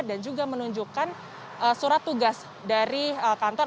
dan juga menunjukkan surat tugas dari kantor